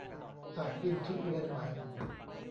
อยากกินทุเรียนไหม